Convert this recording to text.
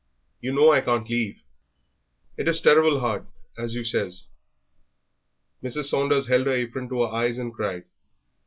You know I can't leave. It is terrible hard, as you says." Mrs. Saunders held her apron to her eyes and cried.